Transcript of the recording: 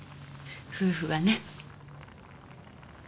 夫婦はね。